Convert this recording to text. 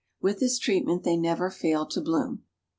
With this treatment they never fail to bloom.